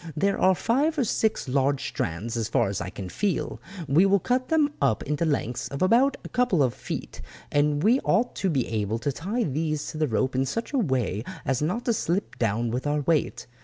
There are five or six large strands as far as I can feel; we will cut them up into lengths of about a couple of feet and we ought to be able to tie these to the rope in such a way as not to slip down with our weight.